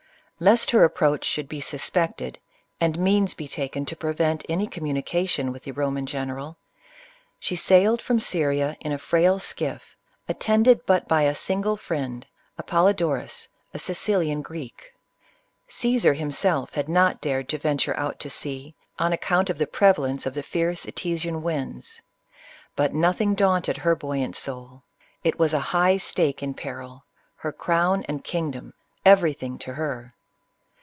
Lest her approach should be suspected, and means be taken to prevei^ any communication with the Ro man general, she sailed from Syria in a frail skiff, at tended but by a single friend, Apollodorus, a Sicilian Greek. Caesar himself had not dared to venture out CLEOPATRA. 21 to sea, on account of the prevalence of the fierce Ete sian winds ; but nothing daunted her buoyant soul. It was a high stake in peril — her crown and kingdom — everything to her.